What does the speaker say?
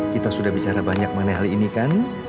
kita sudah bicara banyak mengenai hal ini kan